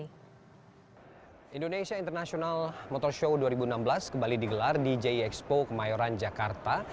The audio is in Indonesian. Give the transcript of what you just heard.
indonesia international motor show dua ribu enam belas kembali digelar di jie expo kemayoran jakarta